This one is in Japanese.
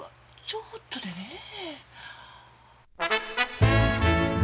ちょっとでねぇ。